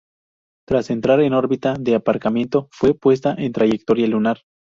Tras entrar en órbita de aparcamiento, fue puesta en trayectoria lunar.